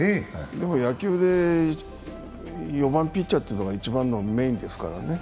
でも、野球で４番・ピッチャーというのが一番のメインですからね。